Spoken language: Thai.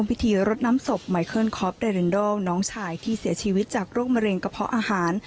พิธีรดน้ำศพไมเคิลคอปเดรินดอลน้องชายที่เสียชีวิตจากโรคมะเร็งกระเพาะอาหาร